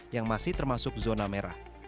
yang masih termasuk zona merah